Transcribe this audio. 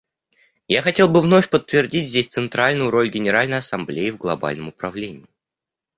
Я хотел бы вновь подтвердить здесь центральную роль Генеральной Ассамблеи в глобальном управлении.